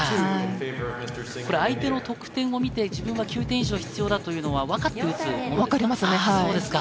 相手の得点を見て、自分は９点以上必要だというのは分かって撃つんですか？